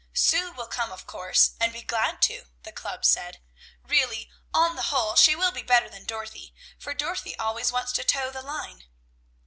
"Sue will come of course, and be glad to," the club said. "Really, on the whole, she will be better than Dorothy, for Dorothy always wants to toe the line."